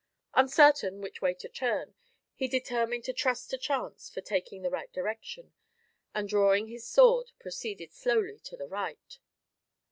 Uncertain which way to turn, he determined to trust to chance for taking the right direction, and drawing his sword, proceeded slowly to the right.